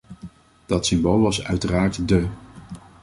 Dat symbool was uiteraard de.